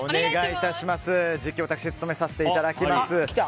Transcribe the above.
実況、私が務めさせていただきます。